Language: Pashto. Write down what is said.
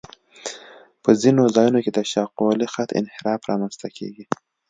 په ځینو ځایونو کې د شاقولي خط انحراف رامنځته کیږي